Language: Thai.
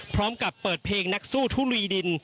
พร้อมกับเปิดเพลงนักสู้ทุลุยดิน